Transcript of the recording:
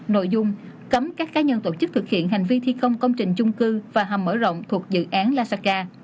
nội dung cấm các cá nhân tổ chức thực hiện hành vi thi công công trình chung cư và hầm mở rộng thuộc dự án lassaka